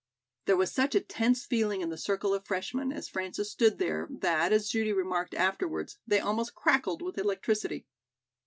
There was such a tense feeling in the circle of freshmen as Frances stood there, that, as Judy remarked afterwards, they almost crackled with electricity.